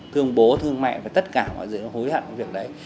thương bố thương mẹ và tất cả mọi thứ hối hận việc đấy